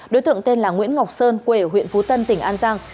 đối tượng tên là nguyễn ngọc sơn quê ở huyện phú tân tỉnh an giang